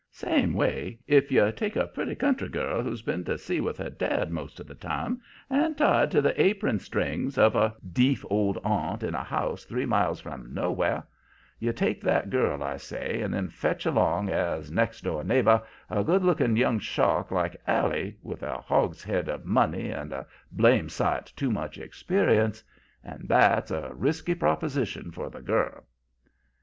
Same way, if you take a pretty country girl who's been to sea with her dad most of the time and tied to the apron strings of a deef old aunt in a house three miles from nowhere you take that girl, I say, and then fetch along, as next door neighbor, a good looking young shark like Allie, with a hogshead of money and a blame sight too much experience, and that's a risky proposition for the girl.